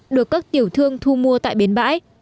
được các tiểu thương thu mua tại biến bãi